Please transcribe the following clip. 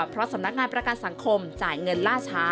เพราะสำนักงานประกันสังคมจ่ายเงินล่าช้า